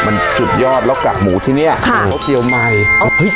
มันสุดยอดแล้วกับหมูที่เนี้ยะค่ะโรศเทียวใหม่เฮ้ย